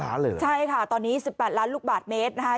ล้านเลยเหรอใช่ค่ะตอนนี้๑๘ล้านลูกบาทเมตรนะคะ